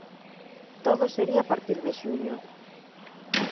Todo sería a partir de xuño.